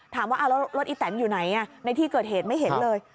ถามว่าแล้วรถอีแตนอยู่ไหนในที่เกิดเหตุไม่เห็นเลย